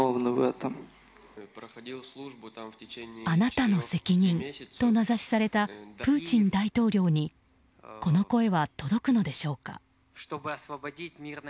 あなたの責任と名指しされたプーチン大統領にこの声は届くのでしょうか。